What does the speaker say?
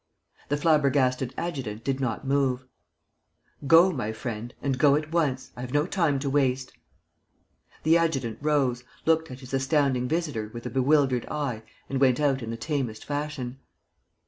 The flabbergasted adjutant did not move. "Go, my friend, and go at once. I have no time to waste." The adjutant rose, looked at his astounding visitor with a bewildered eye and went out in the tamest fashion.